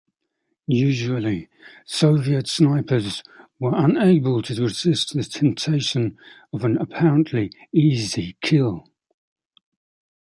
Usually, Soviet snipers were unable to resist the temptation of an apparently easy kill.